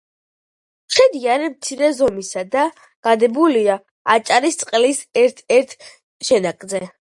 ხიდი არის მცირე ზომის და გადებულია აჭარისწყლის ერთ-ერთ შენაკადზე.